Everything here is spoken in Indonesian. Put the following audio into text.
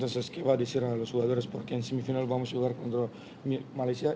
di semisal ini kita akan menangkan malaysia